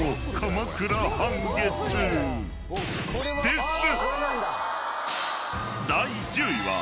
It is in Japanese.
［です！］